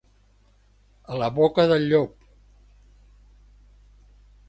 A la boca del llop.